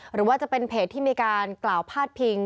หรือว่าจะเป็นเพจที่มีการกล่าวพาดพิง